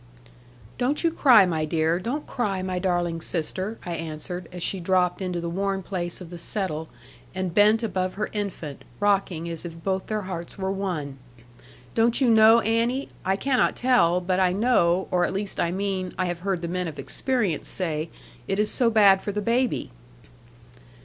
'Don't you cry, my dear: don't cry, my darling sister,' I answered, as she dropped into the worn place of the settle, and bent above her infant, rocking as if both their hearts were one: 'don't you know, Annie, I cannot tell, but I know, or at least I mean, I have heard the men of experience say, it is so bad for the baby.'